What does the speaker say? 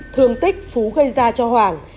thường tích phú gây ra cho hoàng